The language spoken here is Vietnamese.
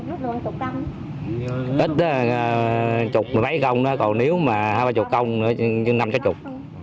ít chục mấy công đó còn nếu mà hai ba chục công nữa chứ năm cái chục